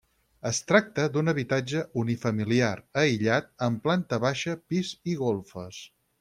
Es tracta d'un habitatge unifamiliar aïllat, amb planta baixa, pis i golfes.